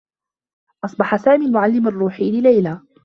أصبح سامي المعلّم الرّوحي لليلى.